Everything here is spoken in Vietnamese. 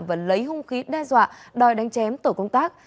và lấy hung khí đe dọa đòi đánh chém tổ công tác